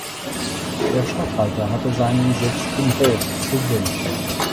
Der Statthalter hatte seinen Sitz im Hof zu Wil.